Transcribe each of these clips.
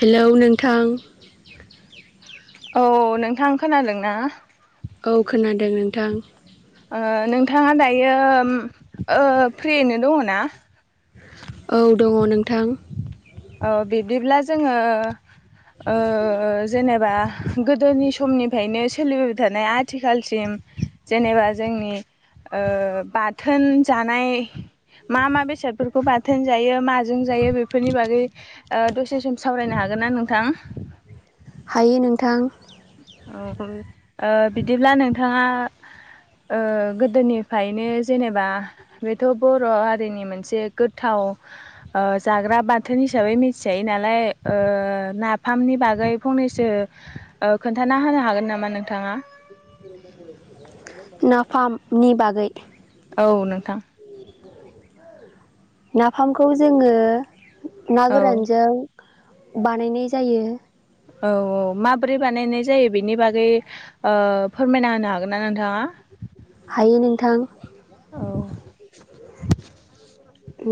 Hello नों थां औ नोंथां खोनादोंना। औ खोनादों नोंथां। ओ नोंथाङा दायो फ्रियैनो दङ ना। औ दङ नोंथां। औ बिब्दिब्ला जोङो। ओ जेनेबा गोदोनि। समनिफायनो सोलिबोबाय थानाय आथिखालसिम जेनेबा जोंनि ओ बाथोन जानाय मा मा बेसादफोरखौ बाथोन जायो माजों जायो बेफोरनि बागै ओ दसे सम सावरायनो हागोनना नोंथां। हायो नोंथां। औ बिदिब्ला नोंथाङा ओ गोदोनिफायनो जेनेबा बेथ' बर' हारिनि मोनसे गोथाव ओ जाग्रा बाथोन हिसाबै मिथिजायो नालाय ओ नाफामनि बागै फंनैसो ओ खोनथाना होनो हागोन नामा नोंथाङा? नाफामनि बागै। औ नोंथां। नाफामखौ जोंओ ना औ गोरानजों बानायनाय जायो। औ औ माब्रै बानायनाय जायो बेनि बागै ओ फोरमायना होनो हागोन ना नोंथांआ हायो नोंथां।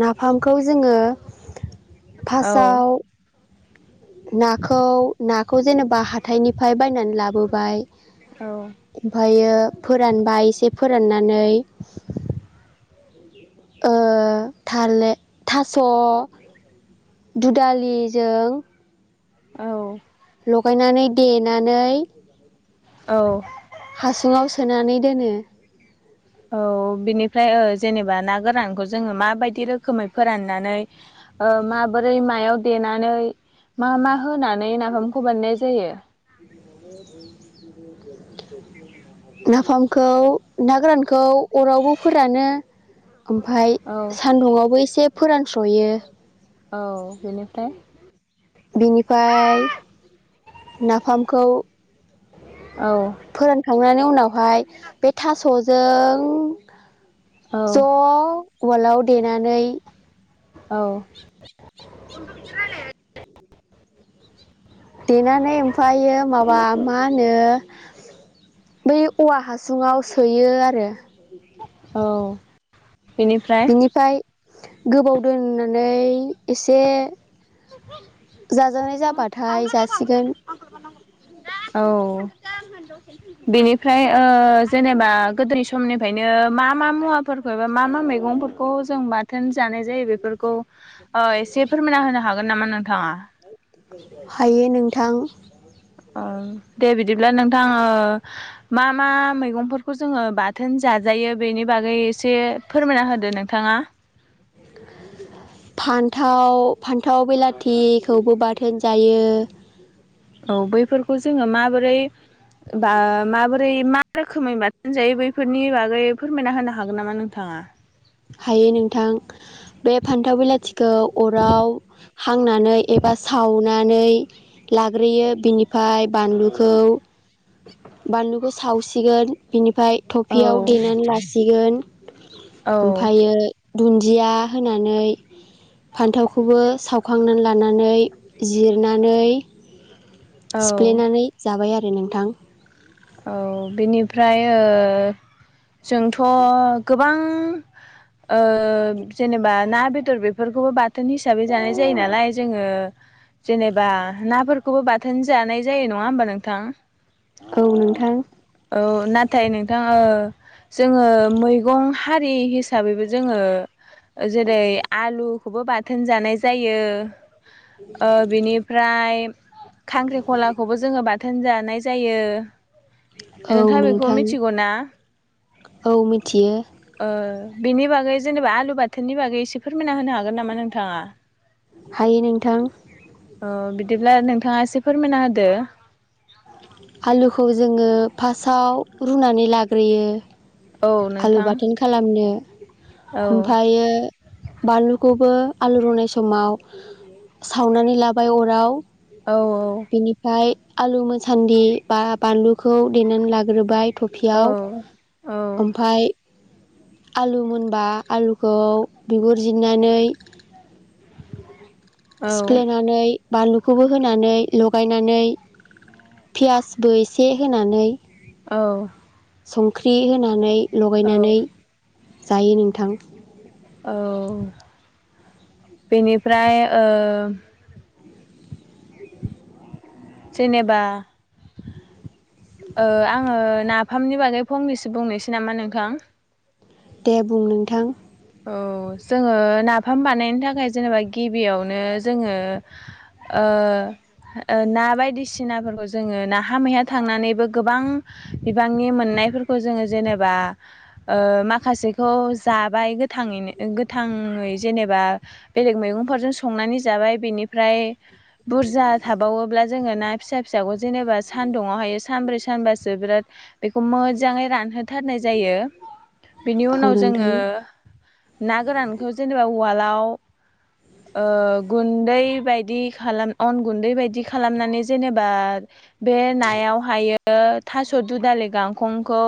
नाफामखौ जोंओ औ फासआव नाखौ ना खौ जेनेबा हाथाइनिफ्राय बायनानै लाबोबाय। ओम फ्रायो फोरानबाय एसे फोराननानै थालेर थास' दुदालिजों। औ लगायनानै देनानै। औ हासुआव सोनानै दोनो। औ बिनिफ्राय ओ जेनेबा ना गोरानखौ जोंओ माबादि रोखोमै फोराननानै माबोरै मायाव देनानै मा मा होनानै नाफामखौ बानायनाय जायो? नाफामखौ ना गोरानखौ अरावबो फोरानो ओमफफ्राय औ सान्दुुंआवबो एसे फोरानस्र'यो। औ बेनिफ्राय। बिनिफ्राय नाफामखौ। औ फोरोंखांनानै उनाव बेवहाय बे थास'जों औ ज' उवालाव देनानै। अथ' बिदिालाय [unintelligible] देनानानै ओम फायो माबा मा होनो बै औवा हासुंआव सोयो आरो औ बेनिफ्राय बिनिफ्राय गोबाव दोननानै एसे जाजानाय जाबाथाय जासिगोन औ [unintelligible] बेनिफ्राय ओ जेनोबा गोदोनि समनिफ्रायनो मा मा मुवाफोरखौ एबा मा मा मैगंफोरखौ जों बाथोन जानाय जायो बेफोरखौ एसे फोरमानना होनो हागोन [unintelligible] थांआ हायो नोंथां ओम दे बिदिब्ला नोंथां ओ मा मा मैगंफोरखौ जोङो बाथोन जाजायो बेनि बागै एसे फोरमायना होदो नोंथाङा फान्थाव फान्थाव बिलाथिखौबो बाथोन जायो औ बैफोरखौ जोङो माबोरै बा माबोरै मा रोखोमै बाथोन जायो बैफोरनि बागै फोरमायना होनो हागोन नामा नोंथाङा हायो नोंथां बे फान्थाव बिलाथिखौ अराव हांनानै एबा सावनानै लाग्रोयो बिनि फाय बानलु खौ बानलु खौ सावसिगोन बिनिफ फाय औ थफियाव देनानै लासि सिगोन औ ओमफायो दुन्दिया होनानै फान्थावखौबो सावखांनानै लानानै जिरनानै औ सिफ्लेनानै जाबाय आरो रो नोंथां औ बेनिफ्राय ओ जोंथ' गोबां ओं ओ जेनेबा ना बेदर बेफोरखौबो बाथोन हिसाबै जानाय जायो नालाय जोङो जेनेबा नाफोरखौबो बाथोन जानाय जायो नङा होमबा नोंथां औ नोंथां औ नाथाय नोंथाङा ओ जोङो मैगं हारि हिसाबैबो जोङो जेरै आलु खौबो बाथोन जानाय जायो। ओ बिनिफ्राय खांख्रिखलाखौबो जोङो बाथोन जा नाय जायो। औ नोंथाङा बेखौ नोंथां मिथिगौ औ ना मिथियो ओ बेनि बागै जेनेबा आलु बाथोननि बागै एसे फोरमायना होनो हागोन नामा नोंथाङा? हायो नोंथां। औ बिदिब्ला नोंथाङा एसे फोरमायना होदो। आलुखौ जोङो फार्स्टआव रुनानै लाग्रोयो औ आलु नोंथां बाथोन खालामनो। औ ओमफायो बानलुखौबो आलु रुनाय समाव सावनानै लाबाय अराव औ बिनिफाय आलु मोजा सान्दि बा बानलुखौ देनानै लाग्रोबाय। औ टफियाव औ ओमफाय आलु मोनबा आलुखौ बिगुरजिरनानै सिफ्लेनानै बानलुखौबो होनानै लगायनानै पियासबो एसे होनानै औ। संख्रि होनानै औ लगायनानै जायो नोंथां। औ बेनिफ्राय ओ जेनेबा ओ आङो नाफामनि बागै फंनैसो बुंनोसै नामा नोंथां। दे बुं नोंथां। औ जोङो नाफाम बानायनो थाखाय जेनेबा गिबियावनो जोङो ओ ओ ना बायदिसिनाफोरखौ जोङो नाहा मैहा थांनानैबो गोबां बिबांनि मोननायफोरखौ जोङो जेनेबा ओ माखासेखौ जाबाय गो गोथाङैनो गोथाङै जेनेबा बेलेग मैगंफोरजों संनानै जाबाय बेनिफ्राय बुरजा थाबावोब्ला जोङो ना फिसा फिसाखौ जेनेबा सानदुुंआव हायो सानब्रै सानबासो बिराद बेखौ मोजाङै रानहो थारनाय जायो बेनि औ उनाव नोंथां जोङो ना गोरानखौ जेनेबा उवालाव ओ गुन्दै बायदि खालाम अन गुन्दै बायदि खालामनानै जेनेबा बे नायाव हायो ओ थास' दुदालि गांखंखौ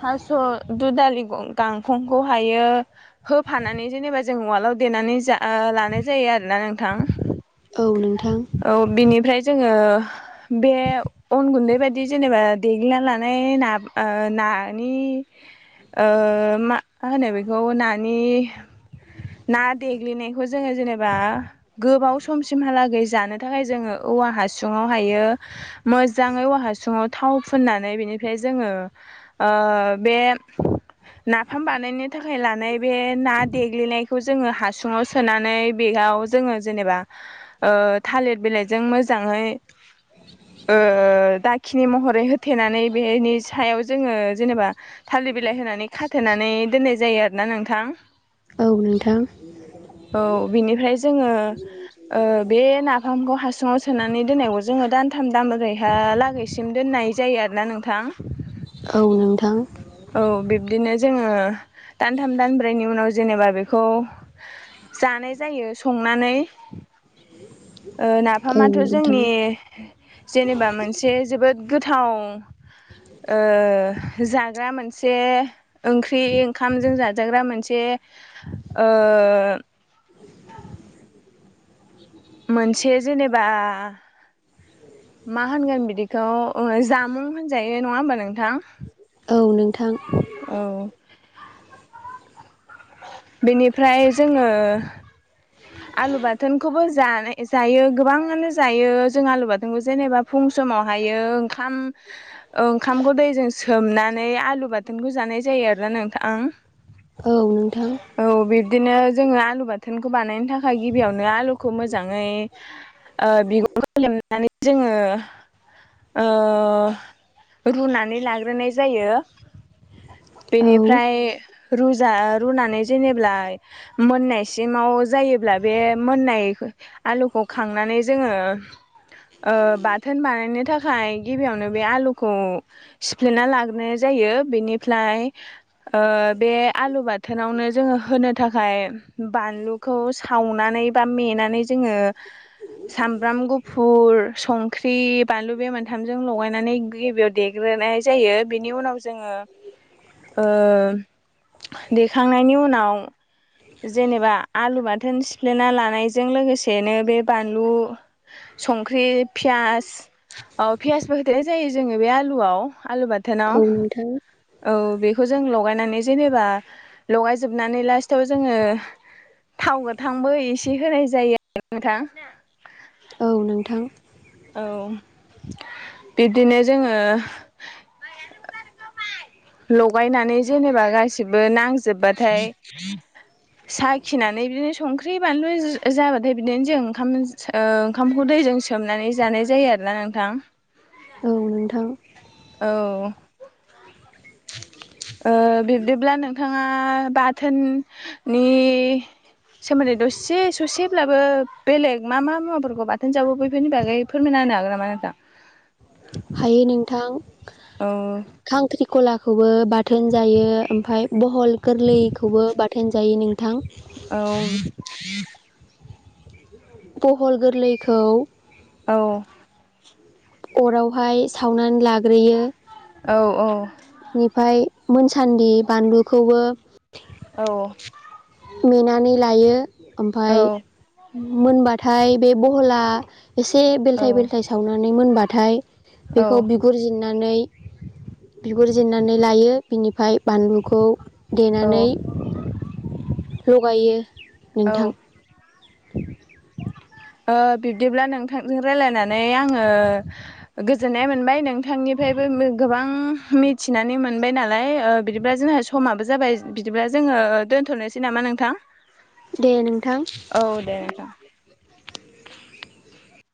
थास' दुदालि गं गां फंखौ हायो होफानानै जेनेबा जों उवालाव देनानै जा ओ लानाय जायो आरोना नोंथां। औ नोंथां औ बिनिफ्राय जोङो आह बे अन गुन्दैबायदि बिदि जेनेबा देगलिना लानाय ना ओ नानि ओ मा मा होनो बेखौ नानि ना देग्लिनायखौ जोङो जेनेबा गोबाव समसिमहालागै जानो थाखाय जोङो औवा हासुङाव हायो मोजाङै औवा हासुङाव थाव फुननानै बेनिफ्राय जोङो ओ बे नाफ फाम बानायनो थाखाय लानाय बे ना देग्लिनायखौ जोङो हासुङाव सोनानै बेगाव जोङो जेनेबा ओ थालिर बिलाइजों मोजाङै ओ दाखिनि महरै होथेनानै बेनि सायाव जोङो जेनेबा थालिर बिलाइ होनानै खा थेनानै दोननाय जायो आरोना नोंथां। औ नोंथां औ बिनिफ्राय जोङो ओ बे नाफामखौ हास सुङाव सोनानै दोननायखौ जोङो दानथाम दामब्रैहा लागैसिम दोननाय जायो आरोना नोंथां। औ नोंथां। बिदिनो जोङो दानथाम दान ब्रैनि उनाव जेनेबा बेखौ जानाय जायो संनानै ओ औ नाफामाथ' जोंनि नोंथां जेनेबा मोनसे जोबोद गोथाव ओ जाग्रा मोनसे ओंख्रि ओंखाम जों जा जाजाग्रा मोनसे ओ मोनसे जेनेबा मा होनगोन बिदिखौ जामुं होनजायो नङा होमबा नोंथां औ नोंथां औ बेनिफ्राय जोङो आलु बाथोनखौबो जा नाय जायो गोबाङानो जायो जों आलुबाथोनबो जेनेबा फुं समावहायो ओंखाम ओंखामखौ दैजों सो सोमनानै आलु बाथो थोनखौ जानाय जायो आरोना नोंथां औ नोंथां औ बिबदिनो जोङो आलु बाथोन खौ बानायनो थाखाय गिबियावनो आलुखौ मोजाङै ओ बिगुरखौ लेमनानै जोङो ओ रुनानै लाग्रोनाय जायो। औ बेनिफ्राय रुजा रुनानै जेनेबा मोननायसिमाव जायोब्ला बे मोननाय आलुखौ खांनानै जोङो ओ बाथोन बानायनो था फाय गिबियावनो बे आलुखौ सिफ्लेना लाग्रोनाय जायो बेनिफ्लाय ओ बे आलु बाथोनावनो जोङो होनो थाखाय बानलुखौ सावनानै बा मेनानै जोङो सामब्राम गुफुर संख्रि बानलु बे मोनथामजों लगायनानै गिबियाव देग्रोनाय जायो बेनि उनाव जोङो ओ देखांनायनि उनाव उनाव जेनेबा आलु बाथोन सिफ्लेना लानायजों लोगोसेनो बे बानलु संख्रि पियास पियासबो होदेरनाय जायो जोङो बे आलुआव आलु बाथोनाव नोंथां औ बेखौ जों लगायनानै जेनेबा लगायजोबनानै लास्टाव जोङो थाव गोथांबो एसे होनाय जायो आरो नोंथां औ नोंथां औ बिदिनो जोङो लगायनानै जेनेबा गासिबो नां जोबबाथाय साखिनानै बिदिनो संख्रि ओंख्रि बानलु जाबाथाय बिदिनो जों ओंखाम ओंखामखौ दैजों सोमनानै जानाय जायो आरोना नोंथां औ नोंथां औ ओ बिब्दिब्ला नोंथाङा बाथोननि सोमोनदै दसे ससे अब्लाबो बेलेग मा मा मुवाफोरखौ बाथोन जाबो बेफोरनि बागै फोरमायना होनो हागोन नामा नोंथां? हायो नोंथां। औ खांख्रिखला खौबो बाथोन जायो। ओमफ्राय ब हल गोरलैखौबो बाथोन जायो। नों थां। औ बहल गोरलैखौ औ अरावहाय सावनानै लाग्रोयो। औ औ इनिफ्राय मोनसान्दि बानलुखौबो औ मेनानै लायो। औ ओमफाय मोनबाथाय बे बहला एसे बेलथाय बेलथाय सावनानै मोनबा थाय औ बेखौ बिगुर जिरना जिरनानै बिगुर जिरनानै लायो बिनिफाय बानलुखौ औ देनानै लगायो। औ नोंथां। ओ बिब्दिब्ला नोंथांजों रायलायनानै आङो गोजोननाय मोनबाय। नोंथांनिफ्रायबो गोबां मिथिनानै मोनबाय नालाय ओ बिदिब्ला समाबो जाबाय बिदिबा जोङो दोनथ'नोसै नामा नोंथां? दे नोंथां औ देे नोंथां।